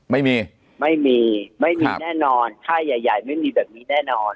ไม่มีไม่มีแน่นอนค่ายใหญ่ไม่มีแบบนี้แน่นอน